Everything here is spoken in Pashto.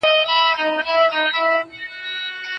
هغه کسان چی سخت کار کوي ښه عاید ترلاسه کولای سي.